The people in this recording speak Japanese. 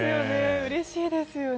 うれしいですよね。